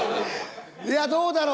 いやどうだろう。